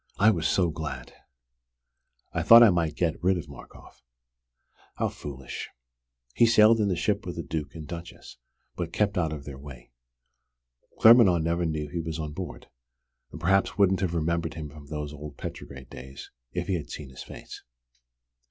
I was so glad! I thought I might get rid of Markoff. How foolish! He sailed in the ship with the Duke and Duchess, but kept out of their way. Claremanagh never knew he was on board and perhaps wouldn't have remembered him from those old Petrograd days if he had seen his face.